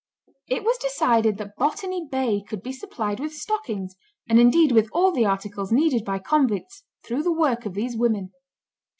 It was decided that Botany Bay could be supplied with stockings, and indeed with all the articles needed by convicts, through the work of these women.